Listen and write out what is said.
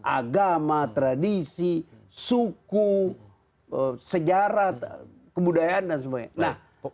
agama tradisi suku sejarah kebudayaan dan semuanya